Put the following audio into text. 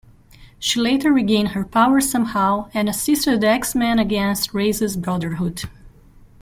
She later regained her powers somehow, and assisted the X-Men against Raze's Brotherhood.